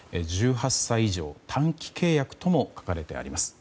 １８歳以上、短期契約とも書かれています。